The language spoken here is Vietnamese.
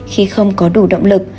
khi không có đủ động lực